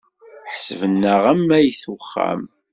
Ḥesben-aɣ am ayt uxxam.